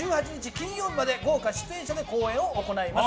金曜日まで豪華出演者で公演を行います。